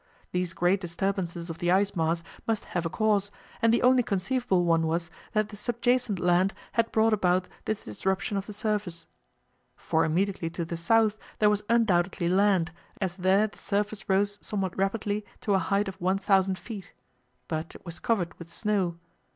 These great disturbances of the ice mass must have a cause, and the only conceivable one was that the subjacent land had brought about this disruption of the surface. For immediately to the south there was undoubtedly land, as there the surface rose somewhat rapidly to a height of 1,000 feet; but it was covered with snow.